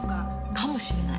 かもしれない。